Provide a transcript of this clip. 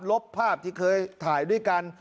ลบภาพที่เคยถ่ายด้วยกัน